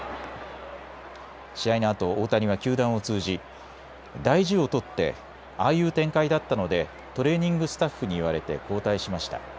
試合のあと大谷は球団を通じ大事をとってああいう展開だったのでトレーニングスタッフに言われて交代しました。